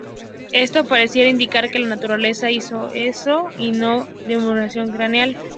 Esto pareciera indicar que la naturaleza hizo esto y no una deformación craneal.